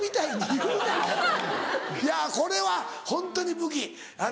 いやこれはホントに武器。